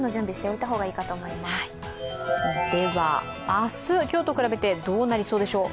明日、今日と比べてどうなりそうでしょう？